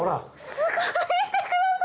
すごい見てください！